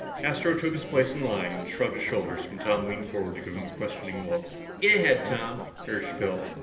Astro took his place in line and shrugged his shoulders when Tom leaned forward to give him a questioning look. "Go ahead, Tom," urged Phil.